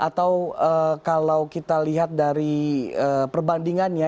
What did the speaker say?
atau kalau kita lihat dari perbandingannya